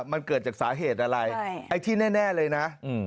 มันเกิดจากสาเหตุอะไรไอ้ที่แน่เลยนะ